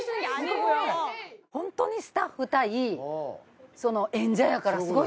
本当にスタッフ対演者やからすごい楽しい。